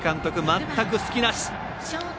全く隙なし。